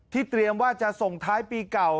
เตรียมว่าจะส่งท้ายปีเก่า